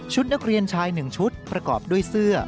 นักเรียนชาย๑ชุดประกอบด้วยเสื้อ